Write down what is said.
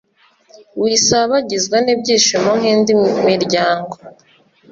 wisabagizwa n’ibyishimo nk’indi miryango,